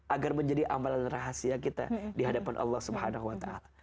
agar menjadi amalan rahasia kita dihadapan allah swt